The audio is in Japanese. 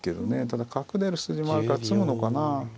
ただ角出る筋もあるから詰むのかなあ。